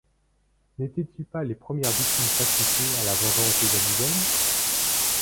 N’étaient-ils pas les premières victimes sacrifiées à la vengeance des indigènes?